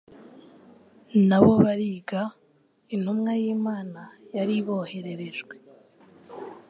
nabo bariga mtumwa y'Imana yari ibohererejwe.